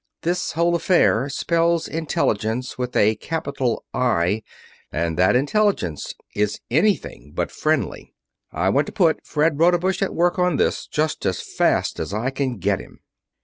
This whole affair spells intelligence, with a capital 'I', and that intelligence is anything but friendly. I want to put Fred Rodebush at work on this just as fast as I can get him."